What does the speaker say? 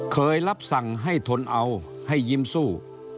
เคยรับสั่งให้ทนเอาให้ยิ้มสู้